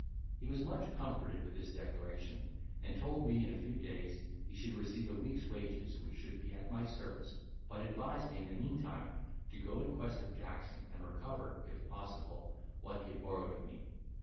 He was much comforted with this declaration; and told me in a few days he should receive a week's wages, which should be at my service, but advised me in the meantime to go in quest of Jackson, and recover, if possible, what he had borrowed of me.